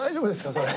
それ。